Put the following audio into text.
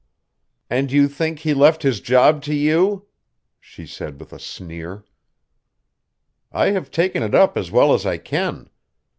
"And you think he left his job to you?" she said with a sneer. "I have taken it up as well as I can.